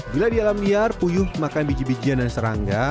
bila di alam liar puyuh makan biji bijian dan serangga